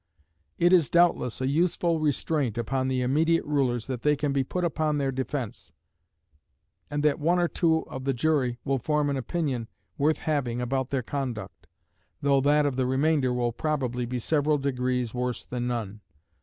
It is doubtless a useful restraint upon the immediate rulers that they can be put upon their defense, and that one or two of the jury will form an opinion worth having about their conduct, though that of the remainder will probably be several degrees worse than none.